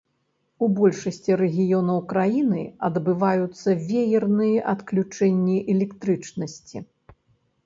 У большасці рэгіёнаў краіны адбываюцца веерныя адключэнні электрычнасці.